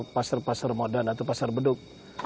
pasar pasar modal atau pasar beduk